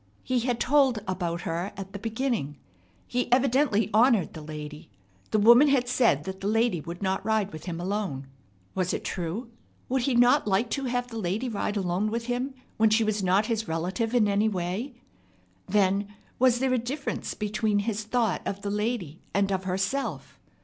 He had told about her at the beginning. He evidently honored the lady. The woman had said that the lady would not ride with him alone. Was it true? Would he not like to have the lady ride alone with him when she was not his relative in any way? Then was there a difference between his thought of the lady and of herself?